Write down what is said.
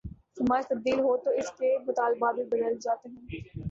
سماج تبدیل ہو تو اس کے مطالبات بھی بدل جاتے ہیں۔